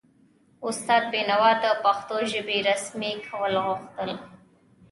استاد بینوا د پښتو ژبې رسمي کول غوښتل.